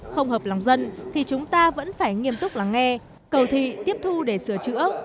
không hợp lòng dân thì chúng ta vẫn phải nghiêm túc lắng nghe cầu thị tiếp thu để sửa chữa